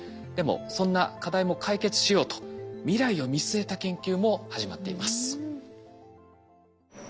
でもそんな課題も解決しようと未来を見据えた研究も始まっています。